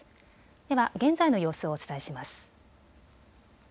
では現在の様子をお伝えします。